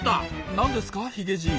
なんですかヒゲじい。